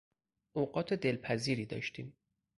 اوقات دلپذیری داشتیم!